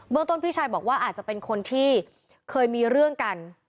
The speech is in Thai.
ต้นพี่ชายบอกว่าอาจจะเป็นคนที่เคยมีเรื่องกัน